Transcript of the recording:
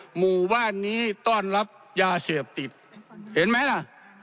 หมู่บ้านนี้ต้อนรับยาเสพติดเห็นไหมล่ะ